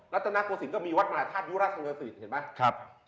รัฐนาโกศิลป์ก็มีวัดมหาธาตุยุราชสำคัญสิทธิ์เห็นไหม